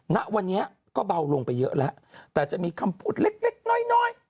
ณวันนี้ก็เบาลงไปเยอะแล้วแต่จะมีคำพูดเล็กเล็กน้อยน้อย